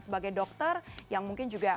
sebagai dokter yang mungkin juga